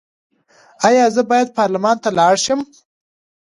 ایا زه باید پارلمان ته لاړ شم؟